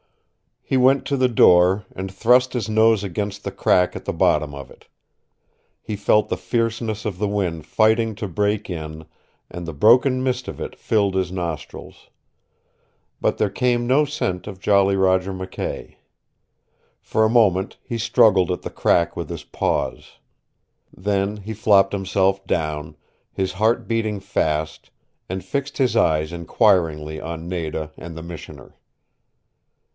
He went to the door, and thrust his nose against the crack at the bottom of it. He felt the fierceness of the wind fighting to break in, and the broken mist of it filled his nostrils. But there came no scent of Jolly Roger McKay. For a moment he struggled at the crack with his paws. Then he flopped himself down, his heart beating fast, and fixed his eyes inquiringly on Nada and the Missioner.